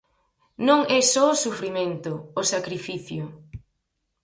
Non é só o sufrimento, o sacrificio.